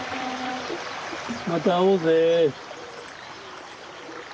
また会おうぜ。